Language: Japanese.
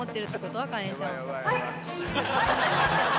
はい。